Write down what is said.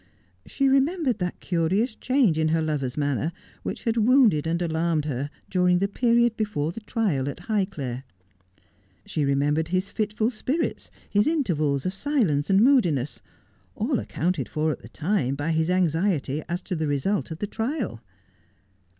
She remembered that curious change in her lover's manner which had wounded and alarmed her during the period before the trial at Highclere. She remembered his fitful spirits, his intervals of silence and moodiness — all accounted for at the time by his anxiety as to the result of the trial.